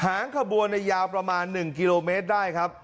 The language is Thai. หางขบวนในยาวประมาณ๑กิโลเมตรได้ครับ